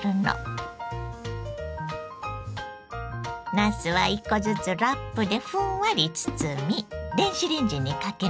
なすは１個ずつラップでふんわり包み電子レンジにかけます。